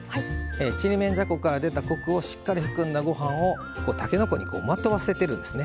ちりめんじゃこから出たコクをしっかり含んだごはんをたけのこにまとわせてるんですね。